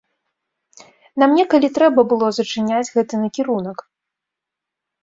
Нам некалі трэба было зачыняць гэты накірунак.